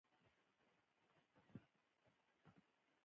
ابوالفضل علامي په کتاب کې درج کړې.